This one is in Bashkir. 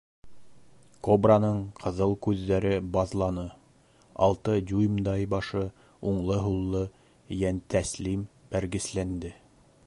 Кобраның ҡыҙыл күҙҙәре баҙланы, алты дюймдай башы уңлы-һуллы йәнтәслим бәргесләнде.